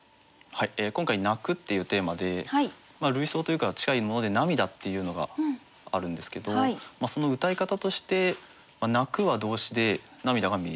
今回「泣」っていうテーマで類想というか近いもので「涙」っていうのがあるんですけどそのうたい方として「泣」は動詞で「涙」が名詞。